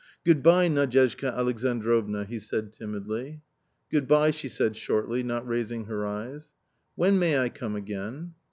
" Good bye, Nadyezhda Alexandrovna," he said timidly. 11 Good bye," she said shortly, not raising her eyes. " When may I come again